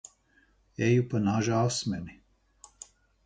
Eju pa naža asmeni.